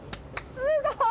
すごい！